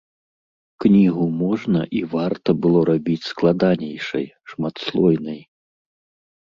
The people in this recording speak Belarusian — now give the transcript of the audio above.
Кнігу можна і варта было рабіць складанейшай, шматслойнай.